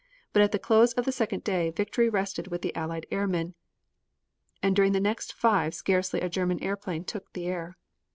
But at the close of the second day victory rested with the Allied airmen, and during the next five scarcely a German airplane took the air.